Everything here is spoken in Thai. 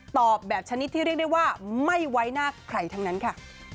ตอบแบบชนิดที่เรียกได้ว่าไม่ไว้หน้าใครทั้งนั้นค่ะ